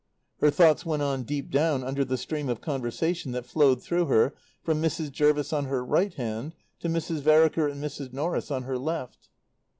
Her thoughts went on deep down under the stream of conversation that flowed through her from Mrs. Jervis on her right hand to Mrs. Vereker and Mrs. Norris on her left.